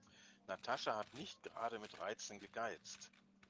Natascha hat nicht gerade mit Reizen gegeizt.